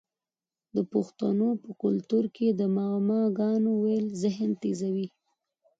د پښتنو په کلتور کې د معما ګانو ویل ذهن تیزوي.